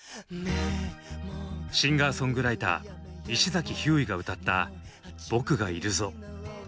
シンガーソングライター石崎ひゅーいが歌った「僕がいるぞ！」。